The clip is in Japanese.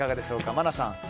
真奈さん